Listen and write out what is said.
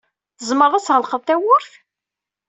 Tzemreḍ ad tɣelqeḍ tawwurt?